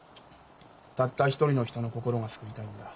たった一人の人の心が救いたいんだ。